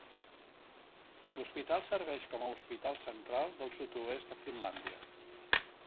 L'hospital serveix com a hospital central del sud-oest de Finlàndia.